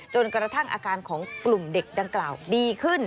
จนกระทั่งอาการของกลุ่มเด็กดังกล่าวดีขึ้น